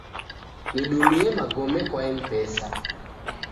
Nidumie magome kwa Mpesa